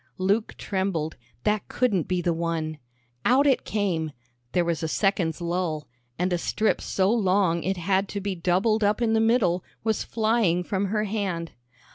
Luke trembled; that couldn't be the one. Out it came, there was a second's lull, and a strip so long it had to be doubled up in the middle was flying from her hand.